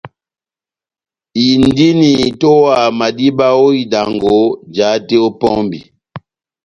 Indini itowaha madíba ó idangɔ, jahate ó pɔmbi.